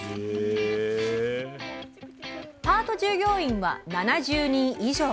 パート従業員は７０人以上。